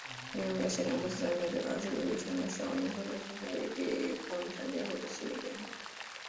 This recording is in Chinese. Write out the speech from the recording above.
内容描写两母子在面对儿子与未成年少女发生性行为被控强奸后的心理变化。